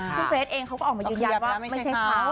ซึ่งเฟสเองเขาก็ออกมายืนยันว่าไม่ใช่เขา